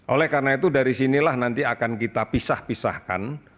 oleh karena itu dari sinilah nanti akan kita pisah pisahkan